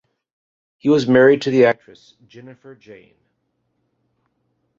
He was married to the actress Jennifer Jayne.